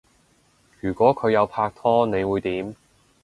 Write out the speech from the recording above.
如果佢有拍拖你會點？